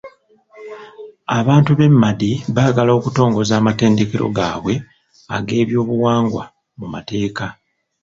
Abantu b'e Madi baagala okutongoza amatendekero gaabwe ag'ebyobuwangwa mu mateeka.